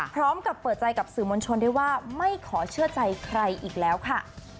พร้อมกับเปิดใจกับสื่อมวลชนได้ว่าไม่ขอเชื่อใจใครอีกแล้วค่ะ